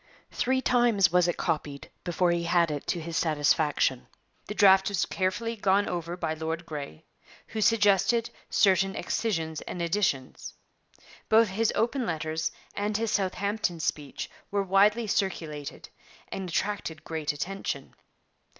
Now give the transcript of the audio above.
Three times was it copied before he had it to his satisfaction. The draft was carefully gone over by Lord Grey, who suggested certain excisions and additions. Both of his open letters and his Southampton speech were widely circulated, and attracted great attention.